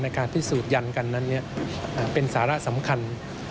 ในการที่สูดยันกันนั้นเนี่ยเป็นสาระสำคัญ